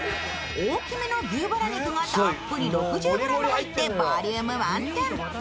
大きめの牛ばら肉がたっぷり６０ｇ入ってボリューム満点。